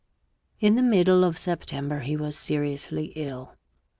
In the middle of September he was seriously ill.